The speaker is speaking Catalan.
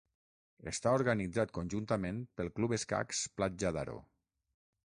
Està organitzat conjuntament pel Club Escacs Platja d'Aro.